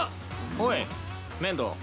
おい面堂。